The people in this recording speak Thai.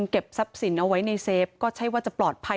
เก็บทรัพย์สินเอาไว้ในเฟฟก็ใช่ว่าจะปลอดภัย